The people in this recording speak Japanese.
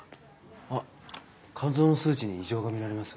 あっ肝臓の数値に異常が見られます。